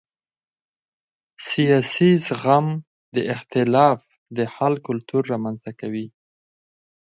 سیاسي زغم د اختلاف د حل کلتور رامنځته کوي